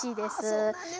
あそうなんですか。